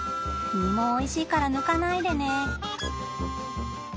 実もおいしいから抜かないでね。